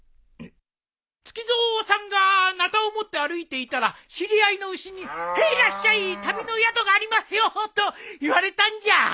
ツキゾウさんがなたを持って歩いていたら知り合いの牛にへいらっしゃい旅の宿がありますよと言われたんじゃ。